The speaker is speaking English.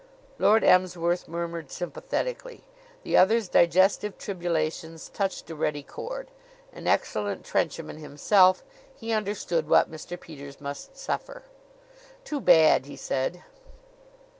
Lord Emsworth murmured sympathetically. The other's digestive tribulations touched a ready chord. An excellent trencherman himself, he understood what Mr. Peters must suffer. "Too bad!" he said.